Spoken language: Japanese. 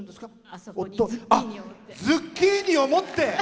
あそこにズッキーニを持って。